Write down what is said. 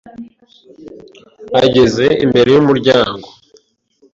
ageze imbere y ‘umuryango